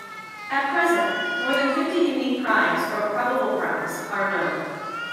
At present, more than fifty unique primes or probable primes are known.